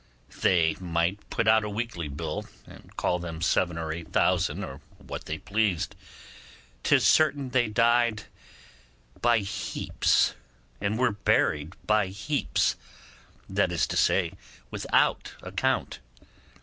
They might put out a weekly bill, and call them seven or eight thousand, or what they pleased; 'tis certain they died by heaps, and were buried by heaps, that is to say, without account.